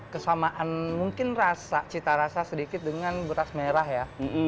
kesamaan mungkin rasa cita rasa sedikit dengan beras merah ya